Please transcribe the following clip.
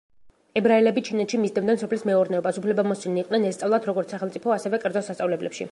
ებრაელები ჩინეთში მისდევდნენ სოფლის მეურნეობას, უფლებამოსილნი იყვნენ ესწავლათ როგორც სახელმწიფო, ასევე კერძო სასწავლებლებში.